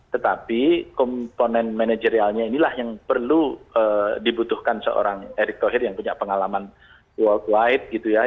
tetapi komponen manajerialnya inilah yang perlu dibutuhkan seorang eric coher yang punya pengalaman worldwide gitu ya